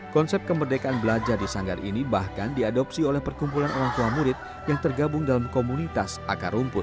konsep kemerdekaan belajar di sanggar ini bahkan diadopsi oleh perkumpulan orang tua murid yang tergabung dalam komunitas akar rumput